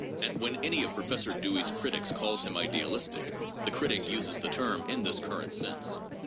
Now when any of Professor Dewey's critics calls him idealistic, the critic uses the term in this current sense.